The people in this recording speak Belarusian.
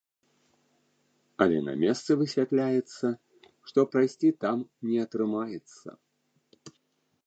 Але на месцы высвятляецца, што прайсці там не атрымаецца.